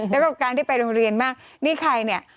แล้วก็การที่ไปโรงเรียนมากนี่ใครเนี่ย